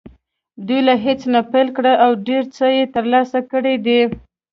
دوی له هېڅ نه پیل کړی او ډېر څه یې ترلاسه کړي دي